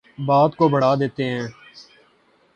بات کو بڑھا دیتے ہیں